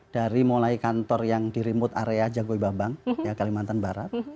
dari mulai kantor yang di remote area jagoi babang kalimantan barat